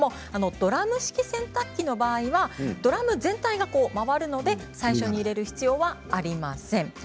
ドラム式洗濯機の場合はドラム全体が回るので最初に入れる必要はありません。